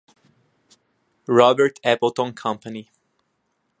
Robert Appleton Company.